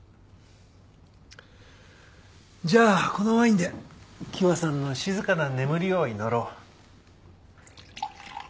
じゃあこのワインで喜和さんの静かな眠りを祈ろう。